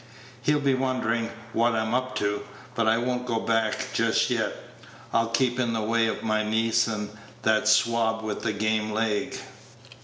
He'll be wonderin' what I'm up to; but I won't go back just yet; I'll keep in the way of my niece and that swab with the game leg."